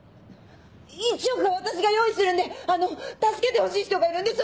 １億は私が用意するんであの助けてほしい人がいるんです